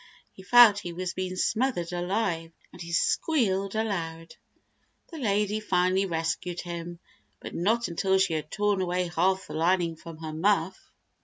He felt he was being smothered alive, and he squealed aloud. The lady finally rescued him, but not until she had torn away half the lining from her muff.